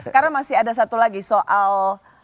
karena masih ada satu lagi soal